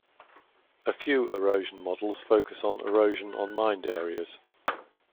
A few erosion models focus on erosion on mined areas.